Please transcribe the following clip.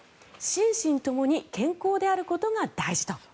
心身ともに健康であることが大事と。